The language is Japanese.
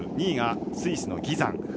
２位がスイスのギザン。